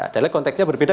dalam konteksnya berbeda